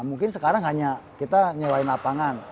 mungkin sekarang hanya kita nyerahin lapangan